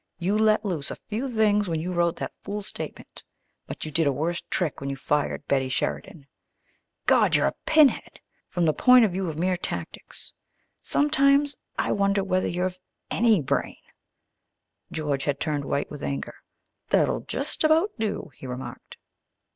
You let loose a few things when you wrote that fool statement, but you did a worse trick when you fired Betty Sheridan. God, you're a pinhead from the point of view of mere tactics. Sometimes I wonder whether you've any brain." George had turned white with anger. "That'll just about do," he remarked.